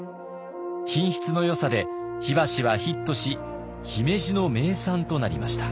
品質のよさで火箸はヒットし姫路の名産となりました。